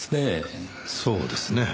そうですね。